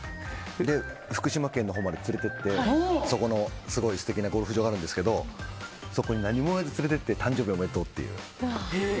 福島県のほうまで連れて行ってそこにすごい素敵なゴルフ場があるんですけどそこに連れて行って誕生日おめでとうって。